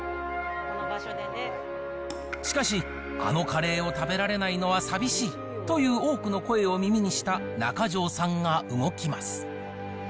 しかし、あのカレーを食べられないのは寂しいという多くの声を耳にした中條さんが動きます。